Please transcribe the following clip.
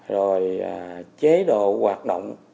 rồi chế độ hoạt động